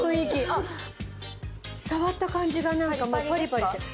あっ触った感じがもうパリパリしてる。